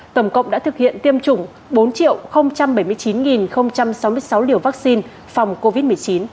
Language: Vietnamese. tổng cộng đã thực hiện tiêm chủng bốn bảy mươi chín sáu mươi sáu liều vaccine phòng covid một mươi chín